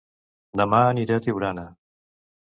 Dema aniré a Tiurana